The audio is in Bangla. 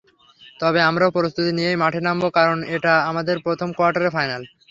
তবে আমরাও প্রস্তুতি নিয়েই মাঠে নামব, কারণ এটা আমাদের প্রথম কোয়ার্টার ফাইনাল।